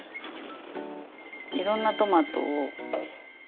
いろんなトマトを混ぜる。